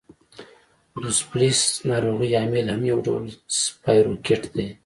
دوسفلیس د ناروغۍ عامل هم یو ډول سپایروکیټ دی.